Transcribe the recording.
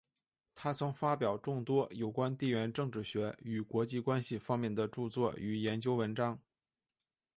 他曾发表众多有关地缘政治学与国际关系方面的着作与研究文章。